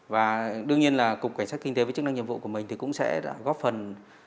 và đương nhiên là cục cảnh sát kinh tế với chức năng nhiệm vụ của mình thì cũng sẽ góp phần